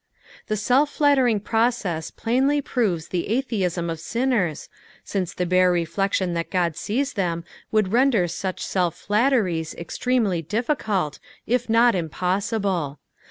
The sell flattering process plainly proves the atheism of tdnncrs, since the bare reflection that God sees them would render such self flatteries extremely diffi cult, if not impossible.